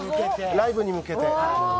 ライブに向けて。